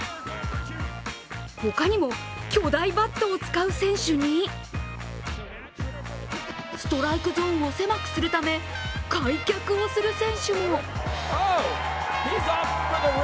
ほかにも、巨大バットを使う選手にストライクゾーンを狭くするために開脚をする選手も。